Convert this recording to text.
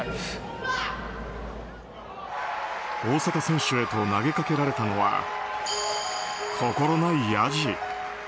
大坂選手へと投げかけられたのは心ないやじ。